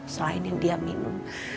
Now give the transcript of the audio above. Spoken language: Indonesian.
selain yang dia minum